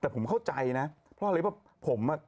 แต่ผมเข้าใจนะเพราะอะไรว่าผมอ่ะ